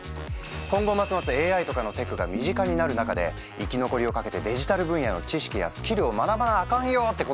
今後ますますＡＩとかのテクが身近になる中で生き残りをかけてデジタル分野の知識やスキルを学ばなあかんよってことなの。